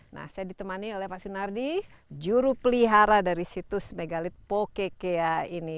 nah saya ditemani oleh pak sunardi juru pelihara dari situs megalith co ka ini